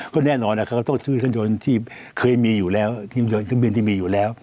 ก็แน่นอนเขาต้องซื้อเครื่องยนต์ที่เคยมีอยู่แล้วทีมยนเครื่องบินที่มีอยู่แล้ว